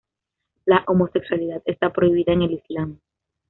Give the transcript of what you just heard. La homosexualidad está prohibida en el islam.